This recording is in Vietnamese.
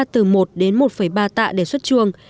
từ một đến một ba tạ để xuất chuồng